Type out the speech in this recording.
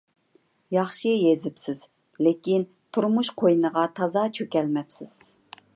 ياخشى يېزىپسىز، لېكىن تۇرمۇش قوينىغا تازا چۆكەلمەپسىز.